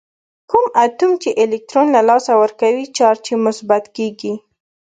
کوم اتوم چې الکترون له لاسه ورکوي چارج یې مثبت کیږي.